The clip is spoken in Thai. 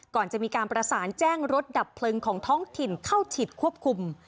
ก่อนจะมีการประสานแจ้งรถดับเพลิงของท้องถิ่นเข้าฉีดควบคุม